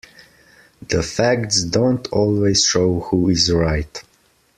The facts don't always show who is right.